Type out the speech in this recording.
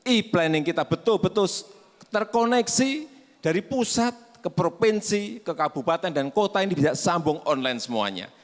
e planning kita betul betul terkoneksi dari pusat ke provinsi ke kabupaten dan kota ini bisa sambung online semuanya